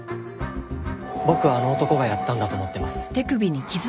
僕はあの男がやったんだと思ってます。